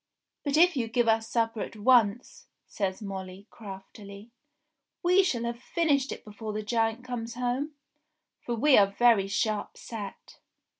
"But if you give us supper at once," says Molly craftily, "we shall have finished it before the giant comes home ; for we are very sharp set."